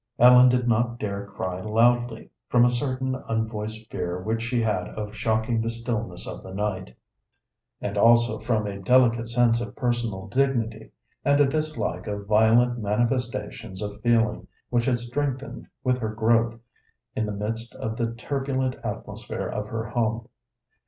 Ellen did not dare cry loudly, from a certain unvoiced fear which she had of shocking the stillness of the night, and also from a delicate sense of personal dignity, and a dislike of violent manifestations of feeling which had strengthened with her growth in the midst of the turbulent atmosphere of her home.